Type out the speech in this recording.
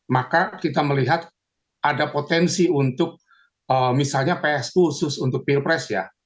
maka kita melihat ada potensi untuk misalnya ps khusus untuk pilpres ya